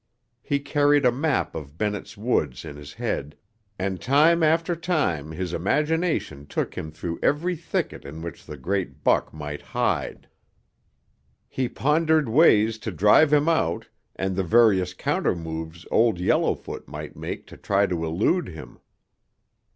He carried a map of Bennett's Woods in his head and time after time his imagination took him through every thicket in which the great buck might hide. He pondered ways to drive him out and the various countermoves Old Yellowfoot might make to try to elude him.